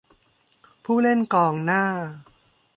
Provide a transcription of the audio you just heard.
ผู้เล่นกองหน้า